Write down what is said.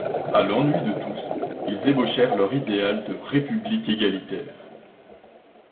A l'ennui de tous, ils ébauchèrent leur idéal de République égalitaire.